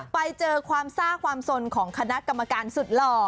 ไปเจอความซ่าความสนของคณะกรรมการสุดหล่อ